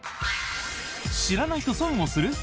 知らないと損をする？